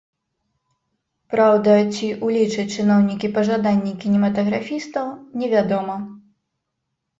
Праўда, ці ўлічаць чыноўнікі пажаданні кінематаграфістаў, невядома.